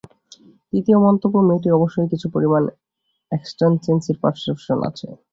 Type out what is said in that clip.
তৃতীয় মন্তব্য-মেয়েটির অবশ্যই কিছু পরিমাণ এক্সট্রান্সেরি পারসেপশন আছে।